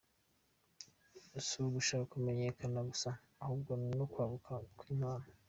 Si ugushaka kumenyekana gusa ahubwo ni no kwaguka kw’impano.